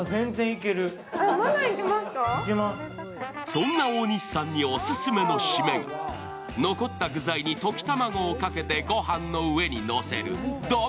そんな大西さんにお勧めの締めが残った具材に溶き卵をかけてご飯の上にのせる丼。